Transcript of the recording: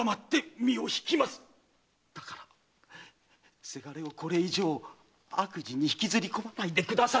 だからせがれをこれ以上悪事に引きずり込まないでください！